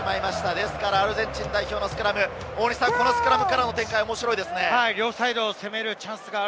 ですからアルゼンチン代表のスクラム、このスクラムからの展開、面白いですね。